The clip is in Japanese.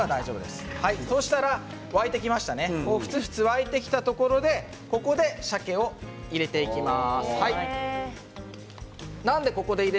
ここでふつふつ沸いてきたところでさけを入れていきます。